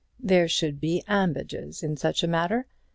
There should be ambages in such a matter.